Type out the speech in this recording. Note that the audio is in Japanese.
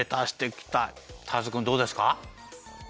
ターズくんどうですか？